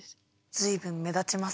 随分目立ちますね。